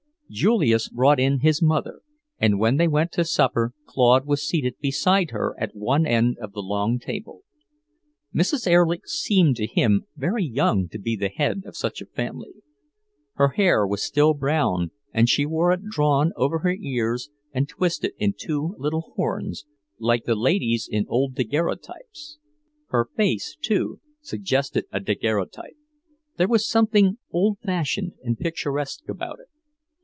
Julius brought in his mother, and when they went to supper Claude was seated beside her at one end of the long table. Mrs. Erlich seemed to him very young to be the head of such a family. Her hair was still brown, and she wore it drawn over her ears and twisted in two little horns, like the ladies in old daguerreotypes. Her face, too, suggested a daguerreotype; there was something old fashioned and picturesque about it.